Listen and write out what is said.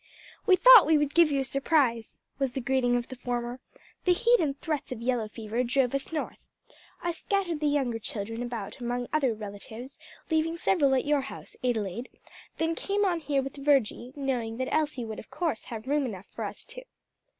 "We thought we would give you a surprise," was the greeting of the former: "the heat and threats of yellow fever drove us North. I scattered the younger children about among other relatives, leaving several at your house, Adelaide, then came on here with Virgie, knowing that Elsie would of course have room enough for us two."